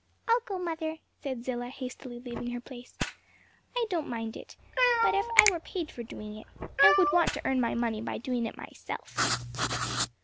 "I'll go, mother," said Zillah, hastily leaving her place, "I don't mind it; but if I were paid for doing it, I would want to earn my money by doing it myself."